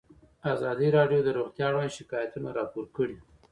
ازادي راډیو د روغتیا اړوند شکایتونه راپور کړي.